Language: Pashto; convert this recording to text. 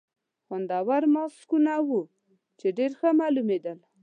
خوندور ماسکونه وو، چې ډېر ښه معلومېدل.